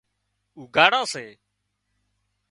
لُگھڙان سي